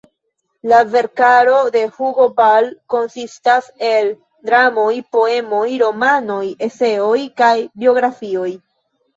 La verkaro de Hugo Ball konsistas el dramoj, poemoj, romanoj, eseoj kaj biografioj.